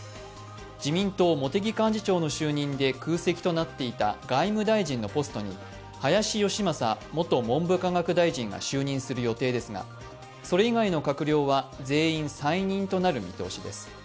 自民党・茂木幹事長の就任で空席となっていた外務大臣のポストに林芳正元文部科学大臣が就任する予定ですがそれ以外の閣僚は全員再任となる見通しです。